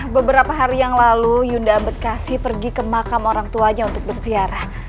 beberapa hari yang lalu yunda bekasi pergi ke makam orang tuanya untuk berziarah